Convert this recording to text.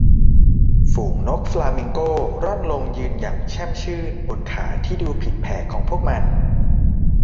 ฝูงนกฟลามิงโก้ร่อนลงยืนอย่างแช่มชื่นบนขาที่ดูผิดแผกของพวกมัน